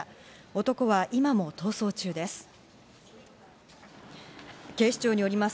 男は今も逃走中です。